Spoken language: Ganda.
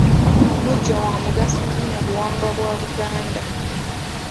Omujjwa wa mugaso nnyo mu buwangwa bwa buganda.